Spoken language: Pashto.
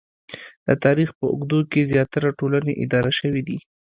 د تاریخ په اوږدو کې زیاتره ټولنې اداره شوې دي